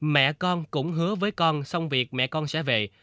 mẹ con cũng hứa với con xong việc mẹ con sẽ về